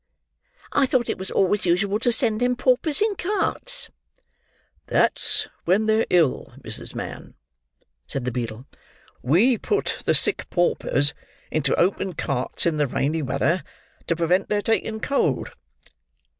I thought it was always usual to send them paupers in carts." "That's when they're ill, Mrs. Mann," said the beadle. "We put the sick paupers into open carts in the rainy weather, to prevent their taking cold."